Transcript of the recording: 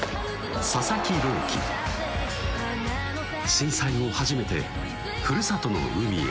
震災後初めてふるさとの海へ